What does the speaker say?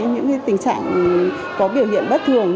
những tình trạng có biểu hiện bất thường